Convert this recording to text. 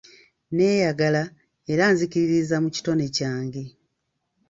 Neeyagala era nzikiririza mu kitone kyange.